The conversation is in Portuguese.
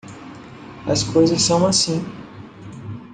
As coisas são assim.